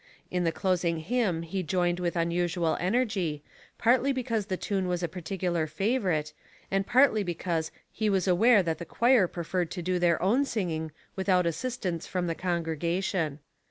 In the closing hymn he joined with unusual energy, partly because the tune was a particular favorite, and partly because he was aware that the choir preferred to do their own singing without assist ance from the congregation.